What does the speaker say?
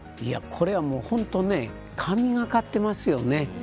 これは本当神がかってますよね。